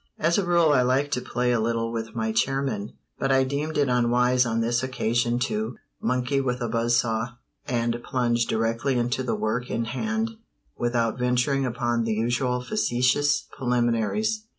As a rule I like to play a little with my chairmen; but I deemed it unwise on this occasion to "monkey with a buzz saw," and plunged directly into the work in hand without venturing upon the usual facetious preliminaries.